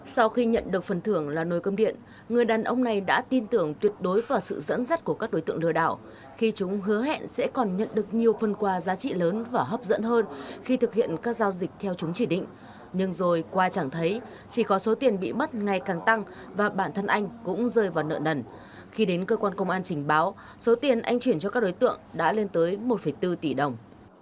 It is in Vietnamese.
sau khi nhận được phần thưởng là nồi cơm điện người đàn ông này đã tin tưởng tuyệt đối vào sự dẫn dắt của các đối tượng lừa đảo khi chúng hứa hẹn sẽ còn nhận được nhiều phần quà giá trị lớn và hấp dẫn hơn khi thực hiện các giao dịch theo chúng chỉ định nhưng rồi qua chẳng thấy chỉ có số tiền bị bắt ngày càng tăng và bản thân anh cũng rơi vào nợ nần khi đến cơ quan công an trình báo số tiền anh chuyển cho các đối tượng đã lên tới một bốn tỷ đồng